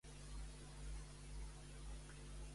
Carrega't el llistat de regals.